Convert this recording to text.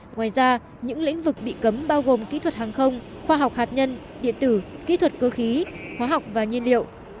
ngoài ra những lĩnh vực bị cấm bao gồm kỹ thuật hàng không khoa học hạt nhân điện tử kỹ thuật cơ khí hóa học và nhiên liệu